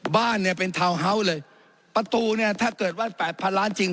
บ้านเนี่ยเป็นทาวน์เฮาส์เลยประตูเนี่ยถ้าเกิดว่าแปดพันล้านจริง